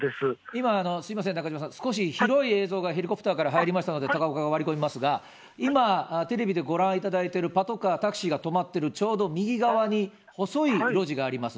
今、すみません、中島さん、少し広い映像がヘリコプターから入りましたので、高岡が割り込みますが、今、テレビでご覧いただいているパトカー、タクシーが止まっているちょうど右側に、細い路地があります。